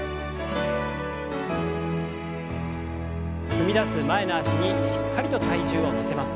踏み出す前の脚にしっかりと体重を乗せます。